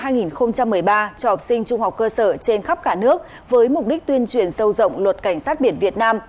năm hai nghìn một mươi ba cho học sinh trung học cơ sở trên khắp cả nước với mục đích tuyên truyền sâu rộng luật cảnh sát biển việt nam